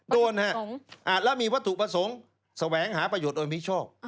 โดนฮะแล้วมีวัตถุประสงค์แสวงหาประโยชน์โดยมิชอบ